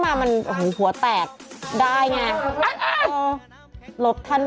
มันอัตลาดนะเว้ย